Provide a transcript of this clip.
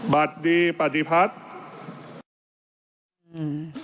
บัดดีปฏิพัฒน์